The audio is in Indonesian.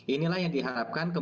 inilah yang diharapkan